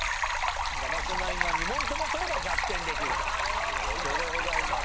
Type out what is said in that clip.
生瀬ナインが２問とも取れば逆転できるという状況でございます。